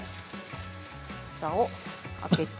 ふたを開けて。